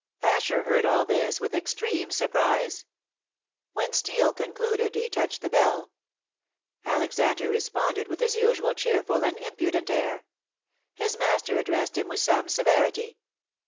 Asher heard all this with extreme surprise. When Steel concluded he touched the bell. Alexander responded with his usual cheerful and impudent air. His master addressed him with some severity.